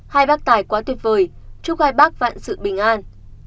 hai bác tài quá tuyệt vời chúc hai bác vạn sự bình an